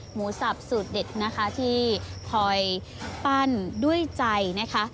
สับสูตรเด็ดนะคะที่คอยปั้นด้วยใจนะคะ